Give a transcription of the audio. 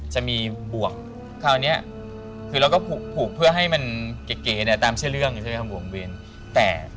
อย่างนี้ครับค่ะค่ะ